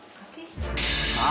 さあ